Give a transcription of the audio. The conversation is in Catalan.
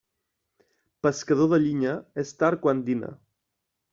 Pescador de llinya, és tard quan dina.